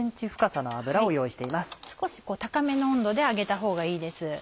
少し高めの温度で揚げたほうがいいです。